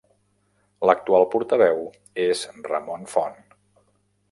L'actual portaveu és Ramon Font.